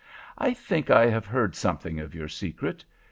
'I think I have heard something of your secret.